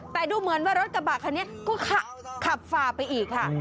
แต่ดูเหมือนว่ารถกระบะคันนี้ก็ขับฝ่าไปอีกค่ะ